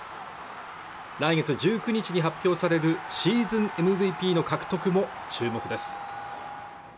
来月１９日に発表されるシーズンＭＶＰの獲得も注目です